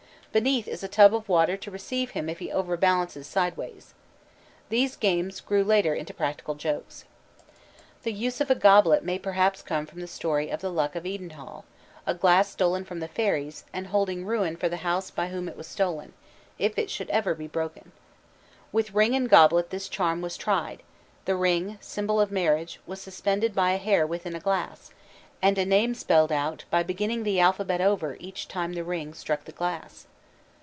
Beneath is a tub of water to receive him if he over balances sideways. These games grew later into practical jokes. The use of a goblet may perhaps come from the story of "The Luck of Edenhall," a glass stolen from the fairies, and holding ruin for the House by whom it was stolen, if it should ever be broken. With ring and goblet this charm was tried: the ring, symbol of marriage, was suspended by a hair within a glass, and a name spelled out by beginning the alphabet over each time the ring struck the glass.